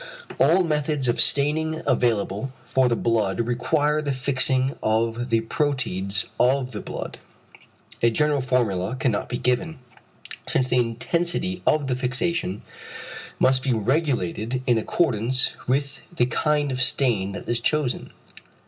All methods of staining available for the blood require the fixing of the proteids of the blood. A general formula cannot be given, since the intensity of the fixation must be regulated in accordance with the kind of stain that is chosen.